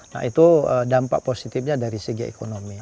nah itu dampak positifnya dari segi ekonomi